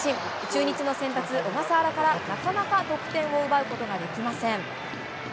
中日の先発、小笠原から、なかなか得点を奪うことができません。